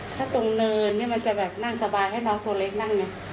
ถ้าตรงเนินนี่มันจะแบบนั่งสบายให้น้องตัวเล็กนั่งไง